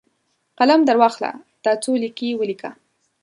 قلم درواخله ، دا څو لیکي ولیکه!